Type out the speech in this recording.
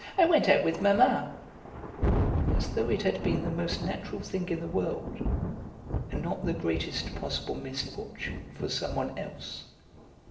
I went out with Mamma," as though it had been the most natural thing in the world, and not the greatest possible misfortune for some one else.